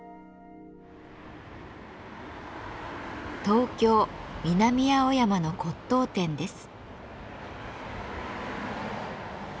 東京・南青山の骨とう店です。